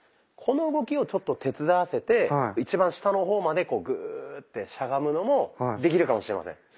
この動きをちょっと手伝わせて一番下の方までこうグーッてしゃがむのもできるかもしれません。